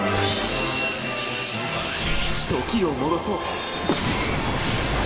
時を戻そう。